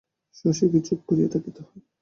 শশীকে চুপ করিয়া থাকিতে হয়।